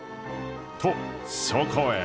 とそこへ。